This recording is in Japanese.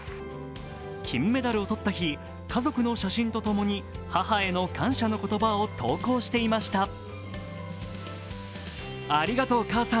金メダルを取った日、家族の写真と共に母への感謝の言葉を投稿していました。